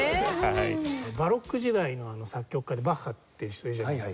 バロック時代の作曲家でバッハっていう人いるじゃないですか。